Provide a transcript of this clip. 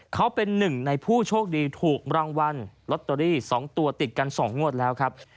เขาเป็นหนึ่งในผู้โชคดีถูกรางวัลลอตเตอรี่๒ตัวติดกัน๒งวดแล้วครับ